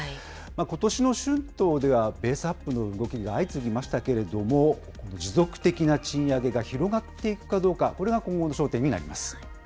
ことしの春闘ではベースアップの動きが相次ぎましたけれども、持続的な賃上げが広がっていくかどうか、これが今後の焦点になります。